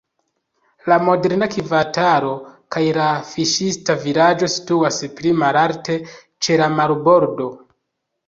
La moderna kvartalo kaj la fiŝista vilaĝo situas pli malalte, ĉe la marbordo.